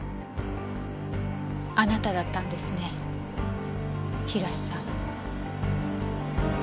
あなただったんですね東さん。